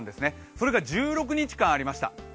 それが１６日間ありました。